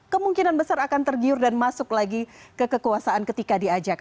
kemungkinan besar akan tergiur dan masuk lagi ke kekuasaan ketika diajak